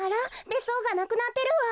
べっそうがなくなってるわ。